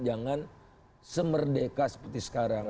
jangan semerdeka seperti sekarang